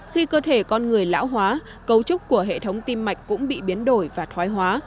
khi cơ thể con người lão hóa cấu trúc của hệ thống tim mạch cũng bị biến đổi và thoái hóa